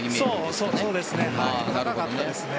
そうですね。